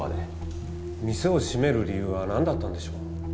店を閉める理由はなんだったんでしょう？